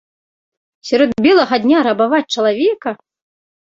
Сярод белага дня рабаваць чалавека!